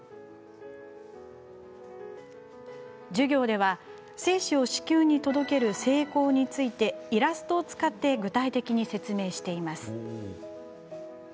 授業では精子を子宮に届ける性交についてイラストを使って具体的に説明しています。